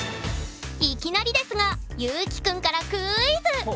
いきなりですがＹｕｋｉくんからクイズ！